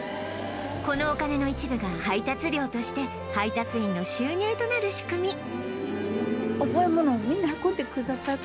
このお金の一部が配達料として配達員の収入となる仕組み